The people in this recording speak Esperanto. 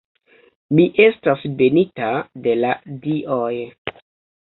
Mi estas benita de la dioj.